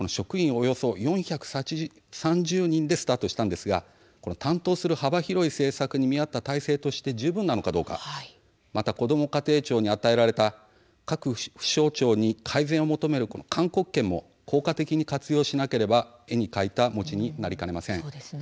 およそ４３０人でスタートしたんですが担当する幅広い政策に見合った体制として十分なのかとかまた、こども家庭庁に与えられた各府省庁に改善を求める勧告権も効果的に活用しなければ絵に描いた餅になりかねません。